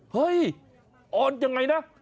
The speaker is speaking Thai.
เฮ้ยออนยังไงนะ